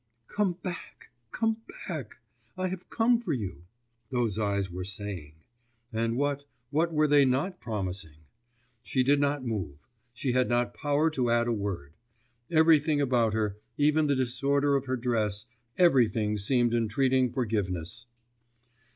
'Come back, come back, I have come for you,' those eyes were saying. And what, what were they not promising? She did not move, she had not power to add a word; everything about her, even the disorder of her dress, everything seemed entreating forgiveness....